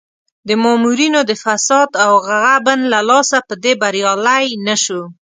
د مامورینو د فساد او غبن له لاسه په دې بریالی نه شو.